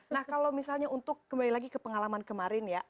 nah kalau misalnya untuk kembali lagi ke pengalaman kemarin ya